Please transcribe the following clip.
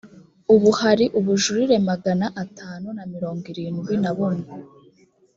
ubu hari ubujurire magana atanu na mirongo irindwi na bumwe